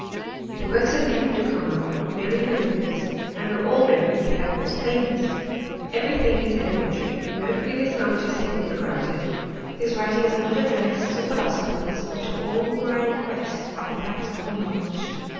The works of M. Duhamel are very voluminous, and are all written with the utmost plainness. Every thinj^ is elementary, no previous knowledge is taken for granted. His writings are not addressed to philo sophers, but to all those who are in quest of practical knowledge.